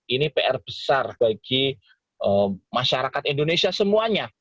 ini pr besar bagi masyarakat indonesia semuanya